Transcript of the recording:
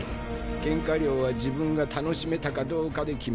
ケンカ料は自分が楽しめたかどうかで決める。